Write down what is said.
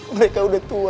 mereka udah tua